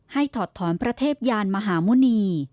ถอดถอนพระเทพยานมหาหมุณี